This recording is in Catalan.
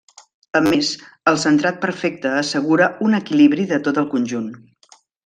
A més, el centrat perfecte assegura un equilibri de tot el conjunt.